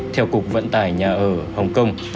theo cục vận tải nhà ở hồng kông